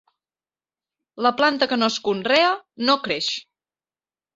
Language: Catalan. La planta que no es conrea, no creix.